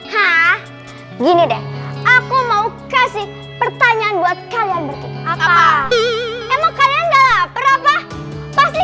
hah gini deh aku mau kasih pertanyaan buat kalian bertiga apa emang kalian gak lapar apa pasti